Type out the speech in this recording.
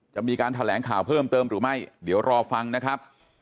จะมีการแถลงข่าวเพิ่มเติมหรือไม่เดี๋ยวรอฟังนะครับ